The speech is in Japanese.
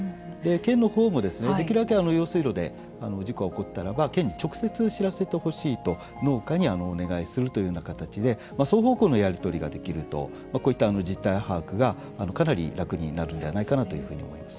県のほうもできるだけ用水路で事故が起こったら県に直接知らせてほしいと農家にお願いするというような形で双方向のやり取りができるとこういった実態把握がかなり楽になるんではないかと思います。